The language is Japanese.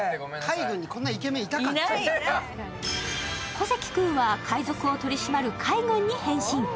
小関君は海賊を取り締まる海軍に変身。